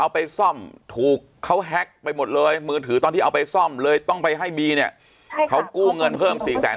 ไปซ่อมถูกเขาแฮ็กไปหมดเลยมือถือตอนที่เอาไปซ่อมเลยต้องไปให้บีเนี่ยเขากู้เงินเพิ่มสี่แสน